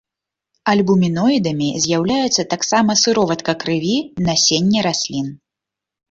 Альбуміноідамі з'яўляюцца таксама сыроватка крыві, насенне раслін.